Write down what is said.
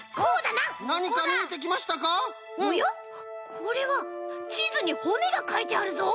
これはちずにほねがかいてあるぞ！